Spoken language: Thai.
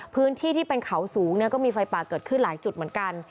พื้นที่ที่เป็นเขาสูงก็มีไฟป่าเกิดขึ้นหลายจุดเหมือนกัน